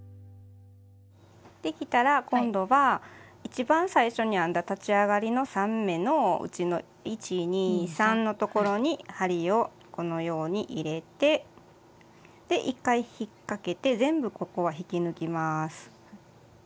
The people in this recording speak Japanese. できたら今度は一番最初に編んだ立ち上がりの３目のうちの１２３のところに針をこのように入れて１回引っ掛けて全部ここは引き抜きます。